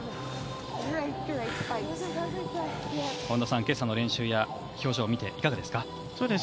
本田さん、今朝の練習や表情を見ていかがですか。